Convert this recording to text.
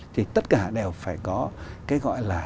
thì tất cả đều phải có cái gọi là